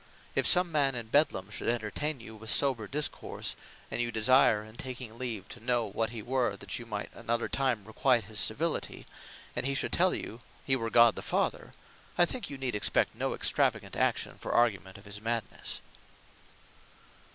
If some man in Bedlam should entertaine you with sober discourse; and you desire in taking leave, to know what he were, that you might another time requite his civility; and he should tell you, he were God the Father; I think you need expect no extravagant action for argument of his Madnesse.